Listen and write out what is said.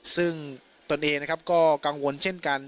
ซึ่งตนเองก็กังวลเช่นกัน